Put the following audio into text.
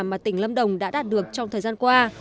mà tỉnh lâm đồng đã đạt được trong thời gian qua